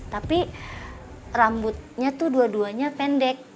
tapi rambutnya tuh dua duanya pendek